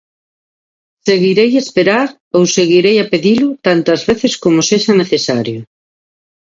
Seguirei a esperar ou seguirei a pedilo tantas veces como sexa necesario.